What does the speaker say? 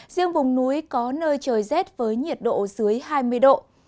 riêng vùng núi có nơi trời rét với nhiệt độ dưới hai mươi độ